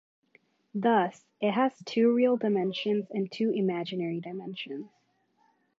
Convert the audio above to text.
Thus it has two real dimensions and two imaginary dimensions.